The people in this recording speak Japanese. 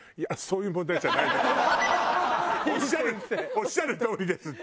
おっしゃるとおりですっていう。